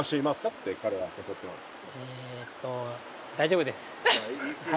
って彼は誘ってます